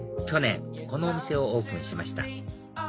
去年このお店をオープンしました